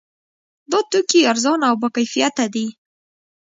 دا توکي ارزانه او باکیفیته دي.